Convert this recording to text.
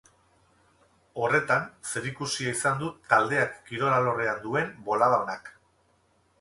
Horretan zerikusia izan du taldeak kirol alorrean duen bolada onak.